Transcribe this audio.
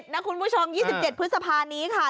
นะคุณผู้ชม๒๗พฤษภานี้ค่ะ